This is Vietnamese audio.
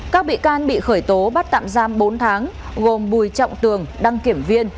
các bị can bị khởi tố bắt tạm giam bốn tháng gồm bùi trọng tường đăng kiểm viên